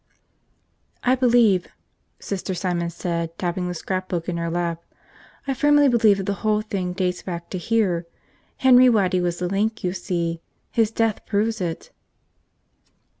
"I believe," Sister Simon said, tapping the scrapbook in her lap, "I firmly believe that the whole thing dates back to here. Henry Waddy was the link, you see. His death proves it."